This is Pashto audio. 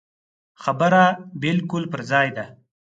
خبره بالکل پر ځای ده.